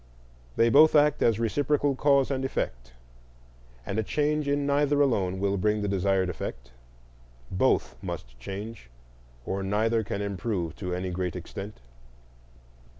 They both act as reciprocal cause and effect, and a change in neither alone will bring the desired effect. Both must change, or neither can improve to any great extent.